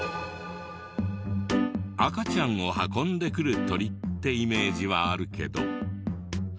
赤ちゃんを運んでくる鳥ってイメージはあるけど。